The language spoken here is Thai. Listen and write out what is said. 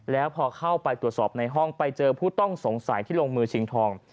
แล้วพอเข้าไปตรวจสอบในห้องไปเจอผู้ต้องสงสัยที่ลงมือชิงทอง